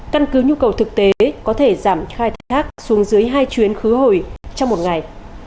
căn cứ nhu cầu thực tế có thể giảm khai thác xuống dưới hai chuyến khứ hồi trong một ngày